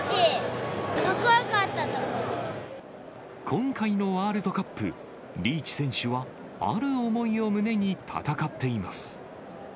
今回のワールドカップ、リーチ選手は、ある思いを胸に戦っています。